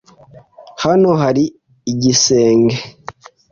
Hano hari igisenge.